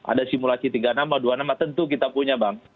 ada simulasi tiga nama dua nama tentu kita punya bang